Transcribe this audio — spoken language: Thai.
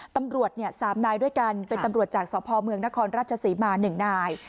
ตำรวจ๓นายด้วยกันเป็นตำรวจจากสพเมืองนครราชศรีมา๑นาย